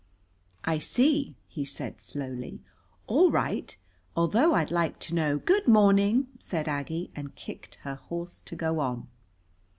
"I see," he said slowly. "All right. Although I'd like to know " "Good morning," said Aggie, and kicked her horse to go on.